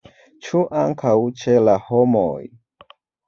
Ĉu ankaŭ ĉe la homoj?